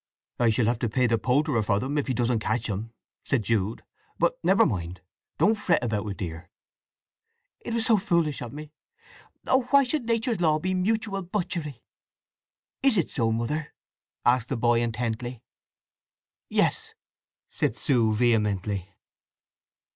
"I shall have to pay the poulterer for them, if he doesn't catch them," said Jude. "But never mind. Don't fret about it, dear." "It was so foolish of me! Oh why should Nature's law be mutual butchery!" "Is it so, Mother?" asked the boy intently. "Yes!" said Sue vehemently.